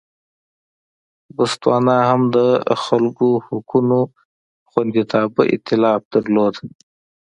بوتسوانا هم د خلکو حقونو خوندیتابه اېتلاف درلود.